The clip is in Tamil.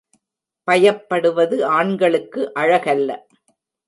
பயப்படுவது ஆண்களுக்கு அழகல்ல.